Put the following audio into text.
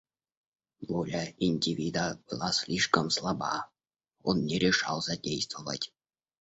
Воля индивида была слишком слаба, он не решался действовать.